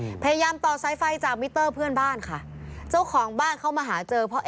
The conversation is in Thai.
พยายามต่อสายไฟจากมิเตอร์เพื่อนบ้านค่ะเจ้าของบ้านเข้ามาหาเจอเพราะเอ๊